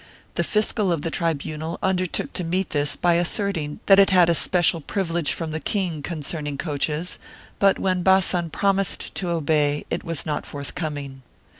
The fiscal of the tribunal undertook to meet this by asserting that it had a special privilege from the king concerning coaches, but when Bazan promised to obey, it was not forthcoming.